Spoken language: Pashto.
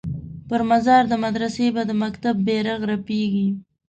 پر مزار د مدرسې به د مکتب بیرغ رپیږي